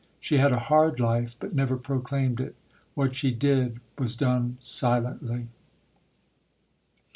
She had a hard life, but never proclaimed it. What she did was done silently.